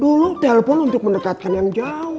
dulu telpon untuk mendekatkan yang jauh